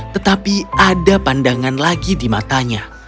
tetapi ada pandangan lagi di matanya